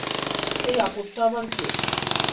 এই আপদটা আবার কে?